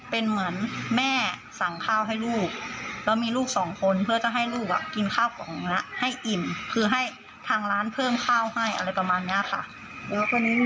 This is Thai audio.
เป็นแม่เอาส่องข้าวให้ลูกแล้วมีลูกสองคนเพื่อให้ลูกกินมาก่อน